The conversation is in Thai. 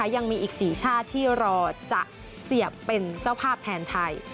ยังมีอีก๔ชาติที่รอจะเสียบเป็นเจ้าภาพแทนไทย